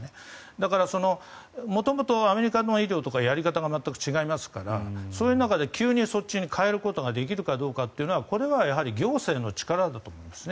だから、元々アメリカの医療とかやり方は全く違いますからそういう中で急に変えることができるのかというのはこれは行政の力だと思いますね